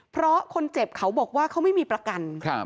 เพราะคนเจ็บเขาบอกว่าเขาไม่มีประกัน